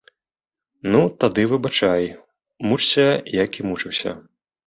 Ну, тады выбачай, мучся, як і мучыўся.